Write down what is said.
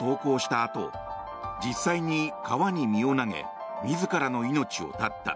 あと実際に川に身を投げ自らの命を絶った。